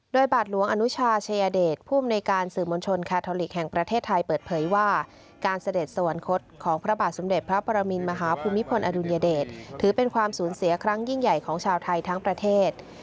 โดยบาทหลวงอนุชาชายเดชภูมิในการสื่อมวลชนคาทอลิกแห่งประเทศไทยเปิดเผยว่าการเสด็จสวรรคตของพระบาทสมเด็จพระปรมินมหาภูมิพลอดุลยเดชถือเป็นความสูญเสียครั้งยิ่งใหญ่ของชาวไทยทั้งประเทศ